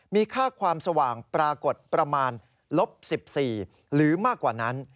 มีค่าความสว่างปรากฏประมาณลบ๑๔หรือมากกว่านั้น